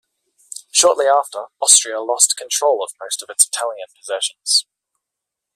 Shortly after, Austria lost control of most of its Italian possessions.